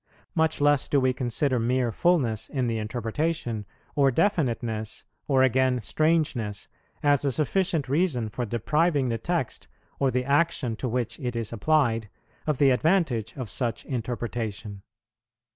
Much less do we consider mere fulness in the interpretation, or definiteness, or again strangeness, as a sufficient reason for depriving the text, or the action to which it is applied, of the advantage of such interpretation.